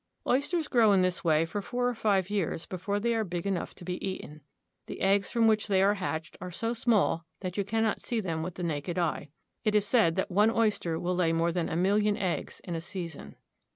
Oysters grow in this way for four or five years before they are big enough to be eaten. The eggs from which they are hatched are so small that you cannot see them with the naked eye. It is said that one oyster will lay more than a million eggs in a season.